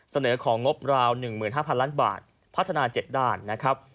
เสนอของงบราวหนึ่งหมื่นห้าพันล้านบาทพัฒนาเจ็ดด้านนะครับ